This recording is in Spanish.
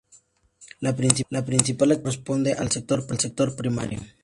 La principal actividad corresponde al sector primario.